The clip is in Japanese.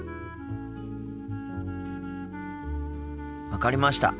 分かりました。